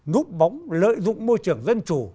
ngúc bóng lợi dụng môi trường dân chủ